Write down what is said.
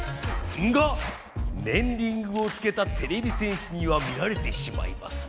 がねんリングをつけたてれび戦士には見られてしまいます。